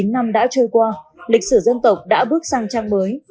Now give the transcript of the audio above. sáu mươi chín năm đã trôi qua lịch sử dân tộc đã bước sang trang mới